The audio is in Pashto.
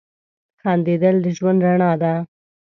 • خندېدل د ژوند رڼا ده.